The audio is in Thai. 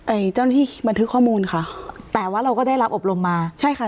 เจ้าหน้าที่บันทึกข้อมูลค่ะแต่ว่าเราก็ได้รับอบรมมาใช่ค่ะ